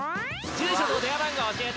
住所と電話番号教えて。